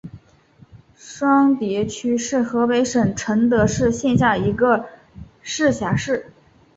双滦区是河北省承德市下辖的一个市辖区。